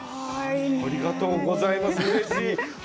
ありがとうございます。